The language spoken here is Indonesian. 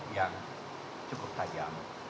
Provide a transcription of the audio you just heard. yang cukup tajam